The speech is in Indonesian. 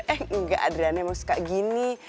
eh enggak adriana mau suka gini